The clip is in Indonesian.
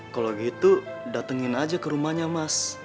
kalau gitu datengin aja ke rumahnya mas